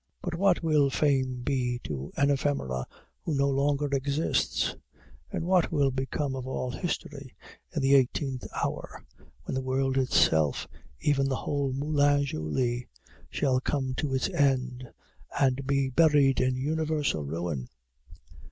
But what will fame be to an ephemera who no longer exists? And what will become of all history in the eighteenth hour, when the world itself, even the whole Moulin Joly, shall come to its end and be buried in universal ruin?"